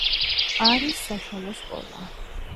არის საშუალო სკოლა.